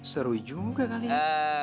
seru juga kali ya